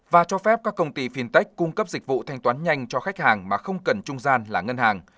và cho phép các công ty fintech cung cấp dịch vụ thanh toán nhanh cho khách hàng mà không cần trung gian là ngân hàng